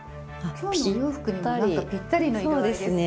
今日のお洋服にもなんかぴったりの色合いですね。